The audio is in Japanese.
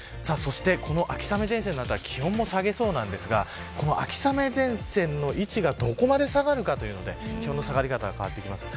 この秋雨前線の後は気温も下げそうですが秋雨前線の位置がどこまで下がるかというので気温の下がり方が変わります。